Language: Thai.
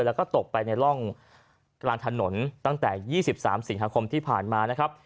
แล้วก็ตกไปในร่องกลางถนนตั้งแต่๒๓สิงหาคมที่ผ่านมานะครับ